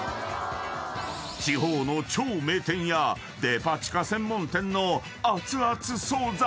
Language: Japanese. ［地方の超名店やデパ地下専門店のあつあつ惣菜］